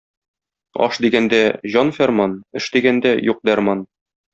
Аш дигәндә — җан фәрман, эш дигәндә — юк дәрман.